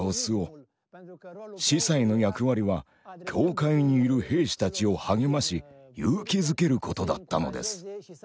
司祭の役割は教会にいる兵士たちを励まし勇気づけることだったのです。